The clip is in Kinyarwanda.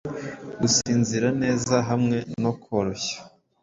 Gusinzira neza, hamwe no koroshya